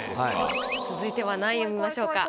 続いては何位を見ましょうか？